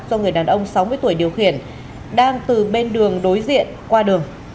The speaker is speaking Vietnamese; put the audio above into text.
do người đàn ông sáu mươi tuổi điều khiển đang từ bên đường đối diện qua đường